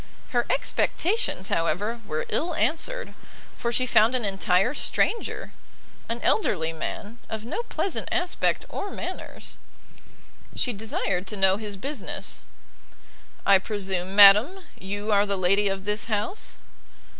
Her expectations, however, were ill answered, for she found an entire stranger; an elderly man, of no pleasant aspect or manners. She desired to know his business. "I presume, madam, you are the lady of this house?"